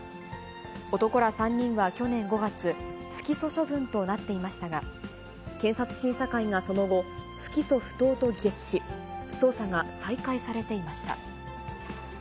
男ら３人は去年５月、不起訴処分となっていましたが、検察審査会がその後、不起訴不当と議決し、捜査が再開されていました。